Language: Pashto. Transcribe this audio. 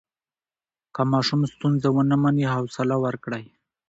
که ماشوم ستونزه ونه مني، حوصله ورکړئ.